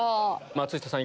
松下さん